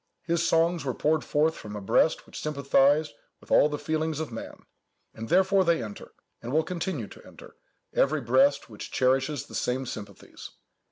His songs were poured forth from a breast which sympathized with all the feelings of man; and therefore they enter, and will continue to enter, every breast which cherishes the same sympathies.